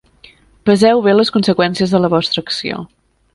Peseu bé les conseqüències de la vostra acció.